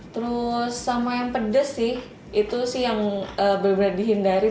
terus sama yang pedes sih itu sih yang benar benar dihindari